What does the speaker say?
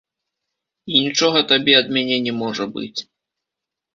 І нічога табе ад мяне не можа быць.